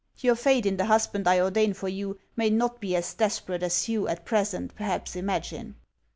Your fate in the husband I ordain for you may not be as desperate as you, at present, perhaps, imagine.'